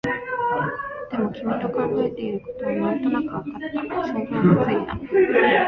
でも、君の考えていることはなんとなくわかった、想像がついた